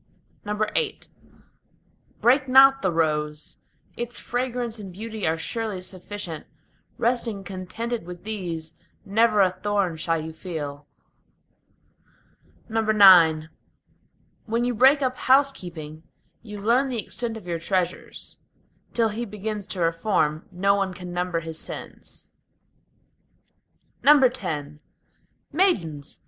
VIII Break not the rose; its fragrance and beauty are surely sufficient: Resting contented with these, never a thorn shall you feel. IX When you break up housekeeping, you learn the extent of your treasures; Till he begins to reform, no one can number his sins. X Maidens!